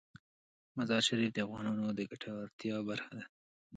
مزارشریف د افغانانو د ګټورتیا برخه ده.